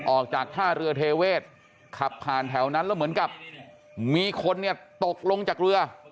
ออกจากท่าเรือเทเวศขับผ่านแถวนั้นแล้วเหมือนกับมีคนเนี่ยตกลงจากเรือ